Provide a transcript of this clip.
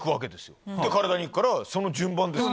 で体に行くからその順番ですよ。